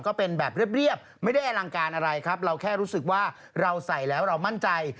ก็เป็นแบบเรียบไม่ได้อลังการอะไรครับเราแค่รู้สึกว่าเราใส่แล้วเรามั่นใจ